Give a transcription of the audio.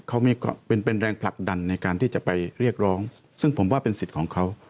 เขาไม่เป็นเป็นแรงผลักดันในการที่จะไปเรียกร้องซึ่งผมว่าเป็นสิทธิ์ของเขา